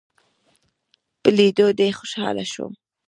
په ليدو دې خوشحاله شوم